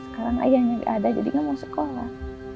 sekarang ayahnya gak ada jadi gak mau sekolah